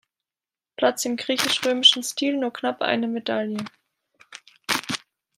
Platz im griechisch-römischen Stil nur knapp eine Medaille.